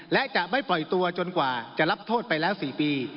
และจะไม่ปล่อยตัวจนกว่าจะรับโทษไปแล้ว๔ปี